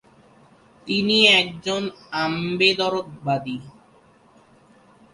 তিনি একজন আম্বেদকর বাদী।